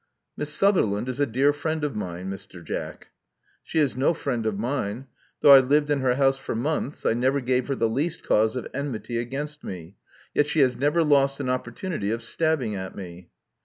Miss Sutherland is a dear friend of mine, Mr. Jack." She is no friend of mine. Though I lived in her house for months, I never gave her the least cause of enmity against me. Yet she has never lost an opportunity of stabbing at me."